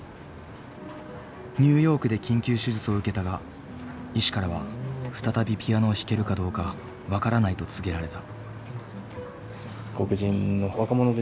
ニューヨークで緊急手術を受けたが医師からは再びピアノを弾けるかどうか分からないと告げられた。